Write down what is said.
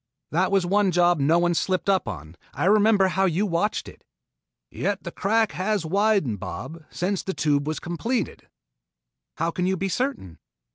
That was one job no one slipped up on. I remember how you watched it " "Yet the crack has widened, Bob, since the Tube was completed." "How can you be certain?"